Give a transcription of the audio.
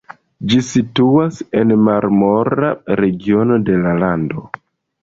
Ĝi situas en la Marmora regiono de la lando.